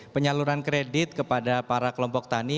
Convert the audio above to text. penyaluran kredit kepada para kelompok tani